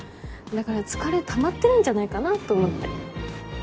だから疲れたまってるんじゃないかなと思って。